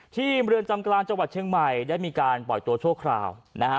เมืองจำกลางจังหวัดเชียงใหม่ได้มีการปล่อยตัวชั่วคราวนะฮะ